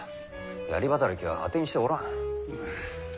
槍働きは当てにしておらん。